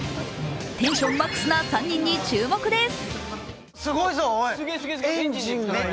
テンションマックスな３人に注目です。